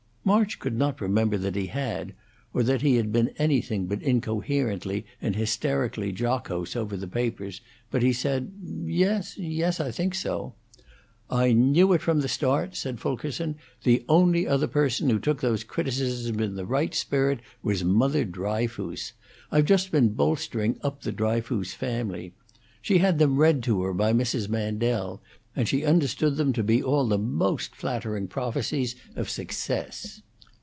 March could not remember that he had, or that he had been anything but incoherently and hysterically jocose over the papers, but he said, "Yes, yes I think so." "I knew it from the start," said Fulkerson. "The only other person who took those criticisms in the right spirit was Mother Dryfoos I've just been bolstering up the Dryfoos family. She had them read to her by Mrs. Mandel, and she understood them to be all the most flattering prophecies of success.